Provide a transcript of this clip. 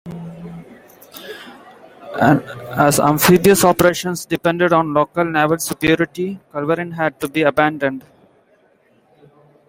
As amphibious operations depended on local naval superiority, "Culverin" had to be abandoned.